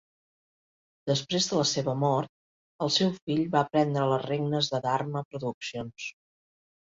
Després de la seva mort, el seu fill va prendre les regnes de Dharma Productions.